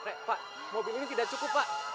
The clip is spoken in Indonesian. eh pak mobil ini tidak cukup pak